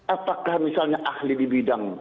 apakah misalnya ahli di bidang